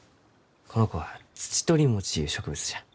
この子はツチトリモチゆう植物じゃ。